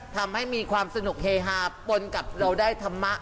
ทำให้มีความสนุกเฮฮาปนกับเราได้ธรรมะ